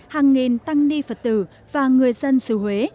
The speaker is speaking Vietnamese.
hàng nghìn tăng ni phật tử và người dân xứ huế